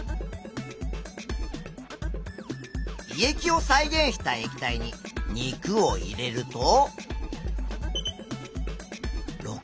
胃液を再現した液体に肉を入れると。